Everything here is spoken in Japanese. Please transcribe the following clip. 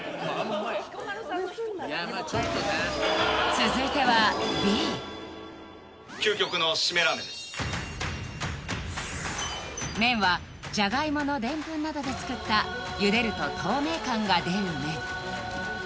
続いてはＢ麺はジャガイモのでん粉などで作った茹でると透明感が出る麺